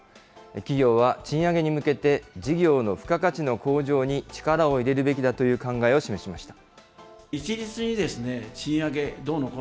企業は賃上げに向けて、事業の付加価値の向上に力を入れるべきだという考えを示しました。